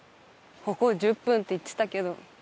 徒歩１０分って言ってたけど。